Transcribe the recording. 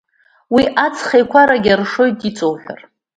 Уи аҵхеиқәарагь аршоит, иҵоуҳәар.